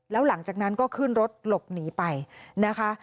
แล้วหลังจากนั้นก็ขึ้นรถหลบหนีไปนะคะ